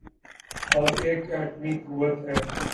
ہم ایک ایٹمی قوت ہیں۔